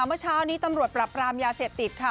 เมื่อเช้านี้ตำรวจปรับปรามยาเสพติดค่ะ